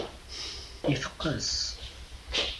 Iteqqes.